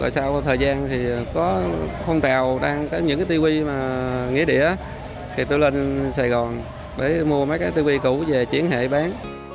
sau thời gian thì có không tèo ra những cái tivi mà nghỉ địa thì tôi lên sài gòn để mua mấy cái tivi cũ về chuyển hệ bán